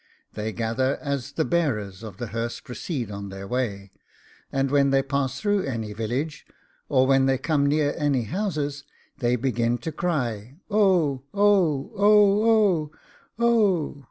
They gather as the bearers of the hearse proceed on their way, and when they pass through any village, or when they come near any houses, they begin to cry Oh! Oh! Oh! Oh! Oh!